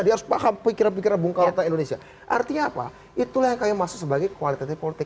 dia harus paham pikiran pikiran bung karno tentang indonesia artinya apa itulah yang kami maksud sebagai kualitatif politik